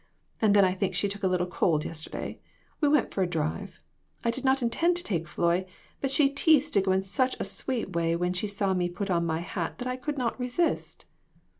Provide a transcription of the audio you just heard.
And then I think she took a little cold yesterday. We went for a drive. I did not intend to take Floy, but she teased to go in such a sweet way when she saw me put my hat on that I could not resist."